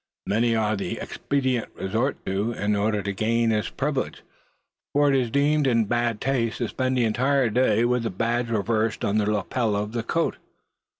Many are the expedients resorted to, in order to gain this privilege; for it is deemed in bad taste to spend the entire day with the badge reversed on the lapel of the coat.